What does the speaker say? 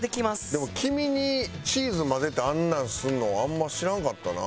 でも黄身にチーズ混ぜてあんなんするのあんま知らんかったな。